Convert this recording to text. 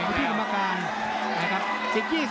ที่กรรมการนะครับ